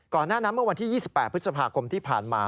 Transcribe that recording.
หน้านั้นเมื่อวันที่๒๘พฤษภาคมที่ผ่านมา